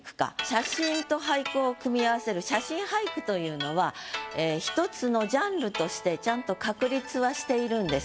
写真と俳句を組み合わせる写真俳句というのは１つのジャンルとしてちゃんと確立はしているんです。